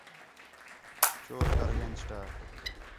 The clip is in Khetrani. چور کر ڳئین چٹا